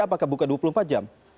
apakah buka dua puluh empat jam